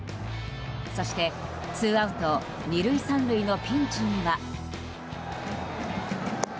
そして、ツーアウト２塁３塁のピンチには。